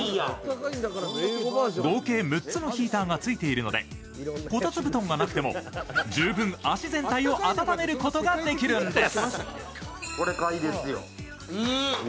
合計６つのヒーターがついているのでこたつ布団がなくても十分、足全体を温めることができるんです。